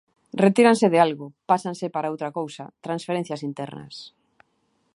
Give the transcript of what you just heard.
Retíranse de algo, pásanse para outra cousa, transferencias internas.